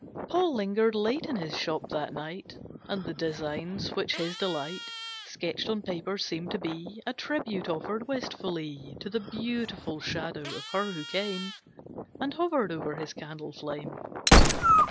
Paul lingered late in his shop that night And the designs which his delight Sketched on paper seemed to be A tribute offered wistfully To the beautiful shadow of her who came And hovered over his candle flame.